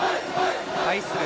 対する